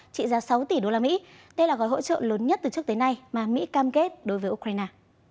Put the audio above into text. trị giá sáu tỷ đô la mỹ đây là gói hỗ trợ lớn nhất từ trước tới nay mà mỹ cam kết đối với ukraine